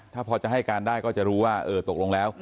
ถ้าพอจะให้การได้ก็จะรู้ว่าเออตกลงแล้ว